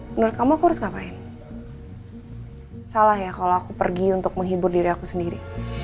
menurut kamu aku harus ngapain salah ya kalau aku pergi untuk menghibur diri aku sendiri